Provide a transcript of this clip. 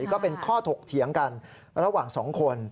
ก็เป็นข้อถกเถียงกันระหว่าง๒คน